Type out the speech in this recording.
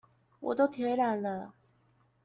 我都腿軟了